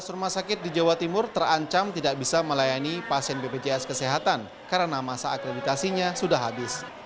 lima ratus rumah sakit di jawa timur terancam tidak bisa melayani pasien bpjs kesehatan karena masa akreditasinya sudah habis